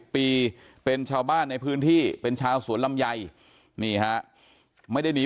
ปีเป็นชาวบ้านในพื้นที่เป็นชาวสวนลำไยนี่ฮะไม่ได้มี